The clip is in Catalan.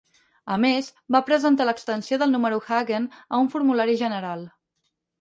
A més, va presentar l'extensió del número Hagen a un formulari general.